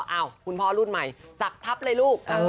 คุณพ่อรุ่นใหม่สักทับเลยลูก